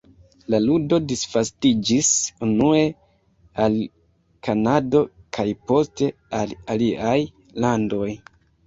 La ludo disvastiĝis unue al Kanado kaj poste al aliaj landoj.